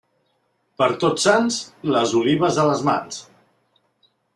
Per Tots Sants, les olives a les mans.